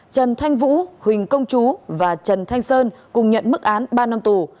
trần thanh vũ huỳnh công chú và trần thanh sơn cùng nhận mức án ba năm tù